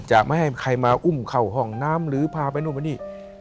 จะไม่ให้ใครมาอุ้มเข้าห้องน้ำหรือพาไปนู่นไปนี่